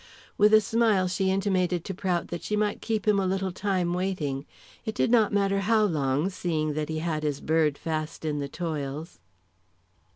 With a smile she intimated to Prout that she might keep him a little time waiting. It did not matter how long seeing that he had his bird fast in the toils.